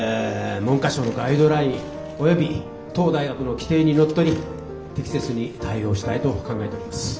文科省のガイドライン及び当大学の規程にのっとり適切に対応したいと考えております。